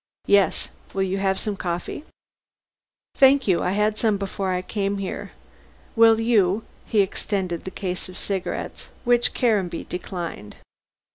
"Yes! Will you have some coffee?" "Thank you. I had some before I came here. Will you " he extended the case of cigarettes, which Caranby declined.